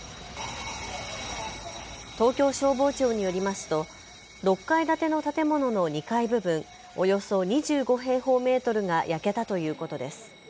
東京消防庁によりますと６階建ての建物の２階部分、およそ２５平方メートルが焼けたということです。